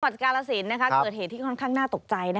กาลสินเกิดเหตุที่ค่อนข้างน่าตกใจ